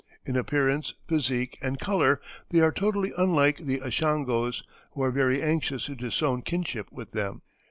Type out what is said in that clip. In appearance, physique, and color they are totally unlike the Ashangos, who are very anxious to disown kinship with them.